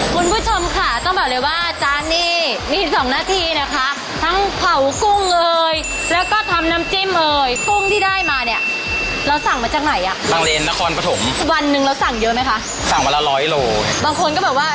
คุณผู้ชมค่ะต้องบอกเลยว่า